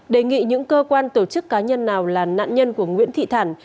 đề nghị những cơ quan tổ chức cá nhân nào là nạn nhân của nguyễn thị thảo